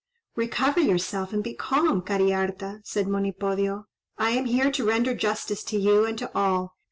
"Recover yourself, and be calm, Cariharta," said Monipodio; "I am here to render justice to you and to all.